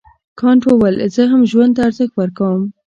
کانت وویل زه هم ژوند ته ارزښت ورکوم.